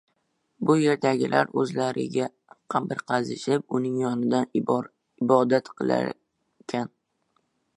Bu yerdagilar o‘zlariga qabr qazishib, uning yonida ibodat qilarkanlar.